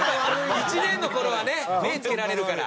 １年の頃はね目つけられるから。